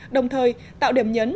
đồng thời tạo điểm nhấn